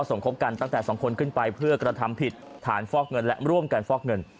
คบกันตั้งแต่๒คนขึ้นไปเพื่อกระทำผิดฐานฟอกเงินและร่วมกันฟอกเงิน